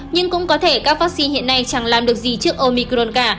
nhưng cũng có thể các vaccine hiện nay chẳng làm được gì trước omicron cả